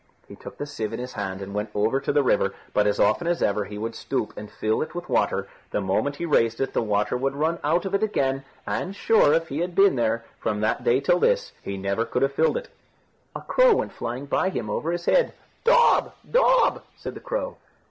He took the sieve in his hand and went over to the river, but as often as ever he would stoop and fill it with water, the moment he raised it the water would run out of it again, and sure, if he had been there from that day till this, he never could have filled it. A crow went flying by him, over his head. "Daub! daub!" said the crow.